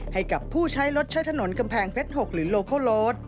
ให้กับผู้ใช้รถใช้ถนนกำแพงเพชร๖หรือโลโคโลด